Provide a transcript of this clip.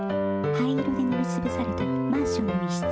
灰色で塗りつぶされたマンションの一室。